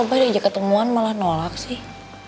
kok abah diajak ketemuan malah nolak sih